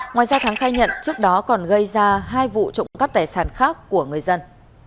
ngoài ra thắng khai nhận trước đó còn gây ra hai vụ trộm cắp tài sản khác của người dân